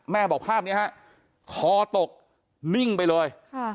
บอกภาพนี้ฮะคอตกนิ่งไปเลย